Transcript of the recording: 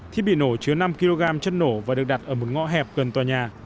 thiết bị nổ chứa năm kg chất nổ và được đặt ở một ngõ hẹp gần tòa nhà